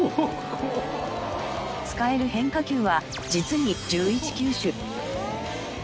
使える変化球は実に１１球種。